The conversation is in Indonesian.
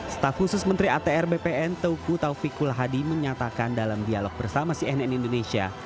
staf khusus menteri atr bpn taufik kulhadi menyatakan dalam dialog bersama cnn indonesia